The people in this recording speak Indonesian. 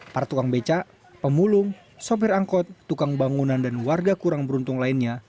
par tukang becak pemulung sopir angkot tukang bangunan dan warga kurang beruntung lainnya